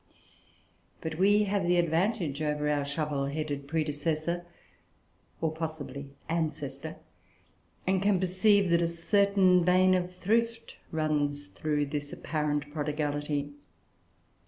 But we have the advantage over our shovel headed predecessor or possibly ancestor and can perceive that a certain vein of thrift runs through this apparent prodigality.